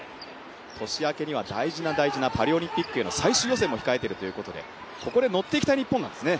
年明けには大事な大事なパリオリンピックへの最終予選も控えているということでここで乗っていきたい日本ですね。